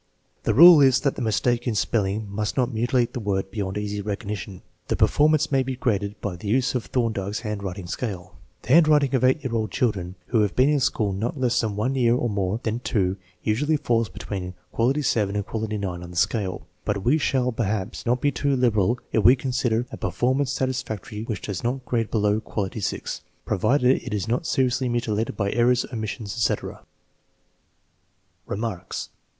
The rule is that the mistake in spelling must not mutilate the word beyond easy recognition. The performance may be graded by the use of Thorndike's handwriting scale. The hand writing of 8 year old children who have been in school not less than one year or more than two usually falls between quality 7 and quality 9 on this scale, but we shall, perhaps, not be too liberal if we consider a performance satisfactory which does not grade below quality 6, provided it is not seriously mutilated by errors, omissions, etc. 1 Remarks.